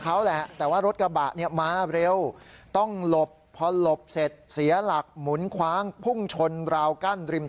คือมันเสียหลัก